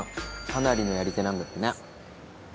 かなりのやり手なんだってね。